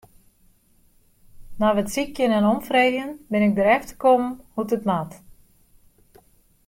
Nei wat sykjen en omfreegjen bin ik derefter kommen hoe't dit moat.